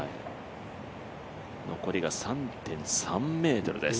残りが３．３ｍです。